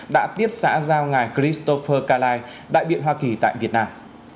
đã tiếp xã giao ngài christopher kalai đại biện hoa kỳ tại việt nam